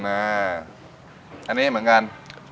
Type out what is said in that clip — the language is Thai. อันนี้เหมือนกัน